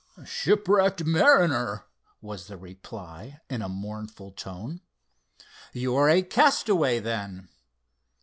"Shipwrecked mariner," was the reply, in a mournful tone. "You are a castaway, then?"